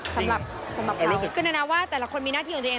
สำหรับสำหรับเราคือนานาว่าแต่ละคนมีหน้าที่ของตัวเอง